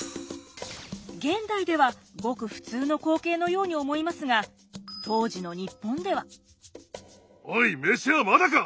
現代ではごく普通の光景のように思いますがおい飯はまだか！